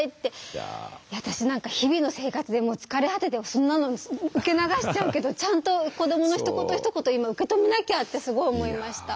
私なんか日々の生活でもう疲れ果ててそんなの受け流しちゃうけどちゃんと子どものひと言ひと言を今受け止めなきゃってすごい思いました。